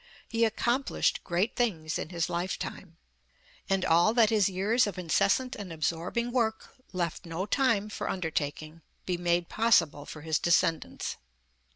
He accomplished great things in his lifetime, and all that his years of incessant and absorbing work left no time for undertaking, be made possible for his descend ants.